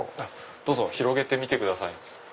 どうぞ広げてみてください。